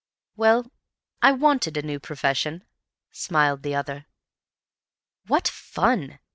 "Well, I wanted a new profession," smiled the other. "What fun!